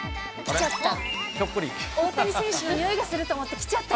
来ちゃった。